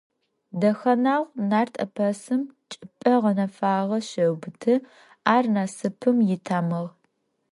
Дэхэнагъу нарт эпосым чӏыпӏэ гъэнэфагъэ щеубыты, ар насыпым итамыгъ.